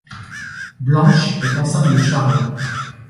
Blanche est enceinte de Charles.